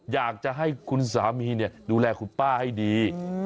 อยากจะให้คุณสามีดูแลคุณป้าให้ดี